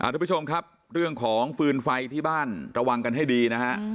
ทุกผู้ชมครับเรื่องของฟืนไฟที่บ้านระวังกันให้ดีนะฮะ